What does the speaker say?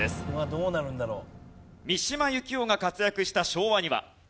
どうなるんだろう？